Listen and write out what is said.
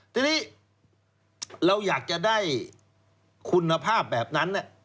ทีนี้เราอยากจะได้คุณภาพแบบนั้น